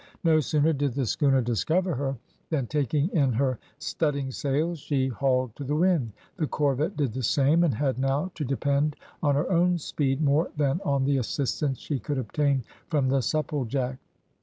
No sooner did the schooner discover her, than taking in her studding sails she hauled to the wind. The corvette did the same, and had now to depend on her own speed more than on the assistance she could obtain from the Supplejack.